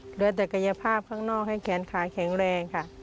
เหลือแต่กายภาพข้างนอกให้แขนขาแข็งแรงค่ะ